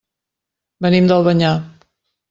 Venim d'Albanyà.